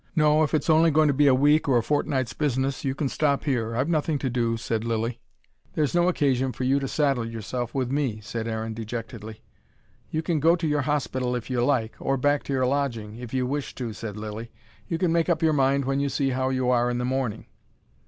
"No, if it's only going to be a week or a fortnight's business, you can stop here. I've nothing to do," said Lilly. "There's no occasion for you to saddle yourself with me," said Aaron dejectedly. "You can go to your hospital if you like or back to your lodging if you wish to," said Lilly. "You can make up your mind when you see how you are in the morning."